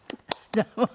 どうも。